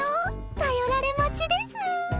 頼られ待ちです